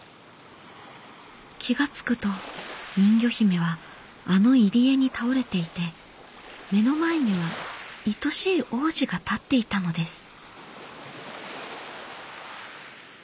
気が付くと人魚姫はあの入り江に倒れていて目の前にはいとしい王子が立っていたのです。